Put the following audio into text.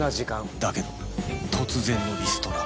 だけど突然のリストラ